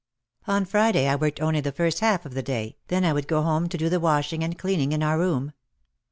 On Friday I worked only the first half of the day, then I would go home to do the washing and cleaning in our room.